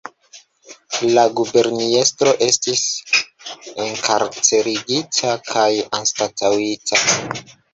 La guberniestro estis enkarcerigita kaj anstataŭita.